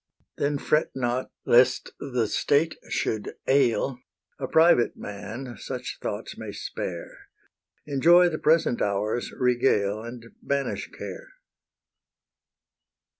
Then fret not lest the state should ail; A private man such thoughts may spare; Enjoy the present hour's regale, And banish care.